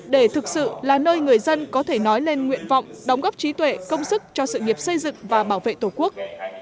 để thực sự là nơi người dân có thể nói lên nguyện vọng đóng góp trí tuệ công sức cho sự nghiệp xây dựng và bảo vệ tổ quốc